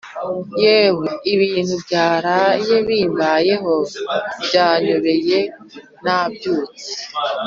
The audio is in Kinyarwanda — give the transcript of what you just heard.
Yewe ibintu byaraye bimbayeho byanyobeye Nabyutse